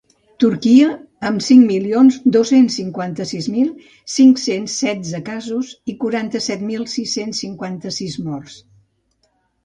Turquia, amb cinc milions dos-cents cinquanta-sis mil cinc-cents setze casos i quaranta-set mil sis-cents cinquanta-sis morts.